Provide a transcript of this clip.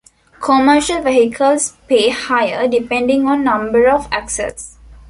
Commercial vehicles pay higher, depending on number of axles.